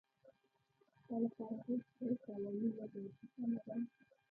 ستا لپاره هېڅ شی تاواني نه دی، سمه ده.